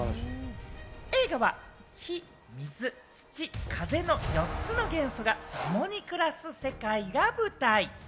映画は火・水・土・風の４つの元素がともに暮らす世界が舞台。